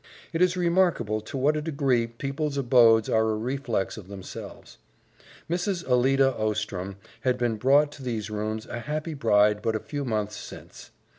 It is remarkable to what a degree people's abodes are a reflex of themselves. Mrs. Alida Ostrom had been brought to these rooms a happy bride but a few months since.